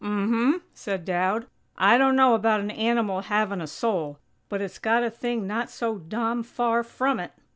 "Um m m," said Dowd, "I dunno about an animal havin' a soul, but it's got a thing not so dom far from it."